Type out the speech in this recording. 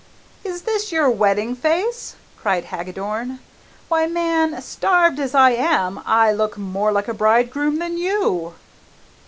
"Is this your wedding face?" cried Hagadorn. "Why, man, starved as I am, I look more like a bridegroom than you!"